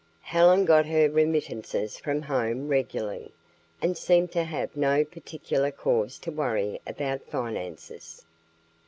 Helen got her remittances from home regularly, and seemed to have no particular cause to worry about finances.